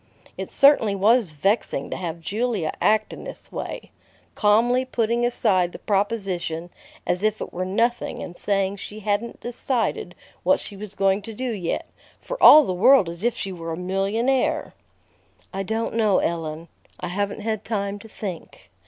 It certainly was vexing to have Julia act in this way, calmly putting aside the proposition as if it were nothing and saying she hadn't decided what she was going to do yet, for all the world as if she were a millionaire! "I don't know, Ellen. I haven't had time to think.